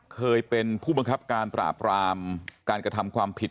เคยเป็นผู้บังคับการปราบรามการกระทำความผิด